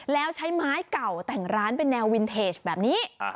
แล้วใช้ไม้เก่าแต่งร้านเป็นแนววินเทจแบบนี้